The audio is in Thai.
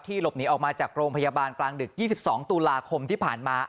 หลบหนีออกมาจากโรงพยาบาลกลางดึก๒๒ตุลาคมที่ผ่านมา